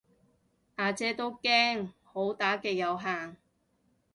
呀姐都驚好打極有限